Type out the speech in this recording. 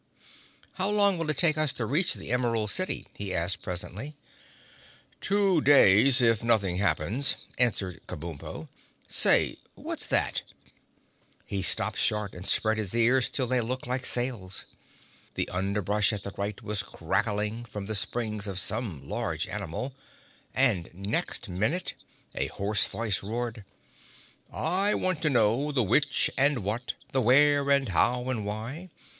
"How long will it take us to reach the Emerald City?" he asked presently. "Two days, if nothing happens," answered Kabumpo. "Say—what's that?" He stopped short and spread his ears till they looked like sails. The underbrush at the right was crackling from the springs of some large animal, and next minute a hoarse voice roared: "I want to know The which and what, The where and how and why?